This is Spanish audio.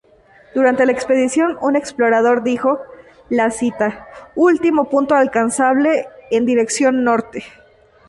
Durante la expedición un explorador dijo la cita "Último punto alcanzable en dirección norte.